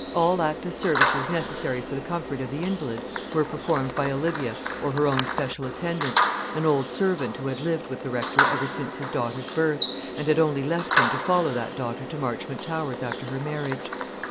All active services necessary for the comfort of the invalid were performed by Olivia or her own special attendant an old servant who had lived with the Rector ever since his daughter's birth, and had only left him to follow that daughter to Marchmont Towers after her marriage.